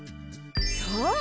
そう！